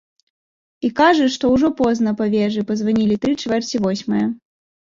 І кажа, што ўжо позна, па вежы празванілі тры чвэрці восьмае.